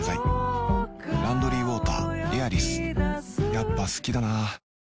やっぱ好きだな